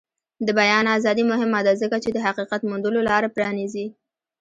د بیان ازادي مهمه ده ځکه چې د حقیقت موندلو لاره پرانیزي.